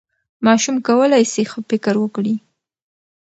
ماشوم کولی سي ښه فکر وکړي.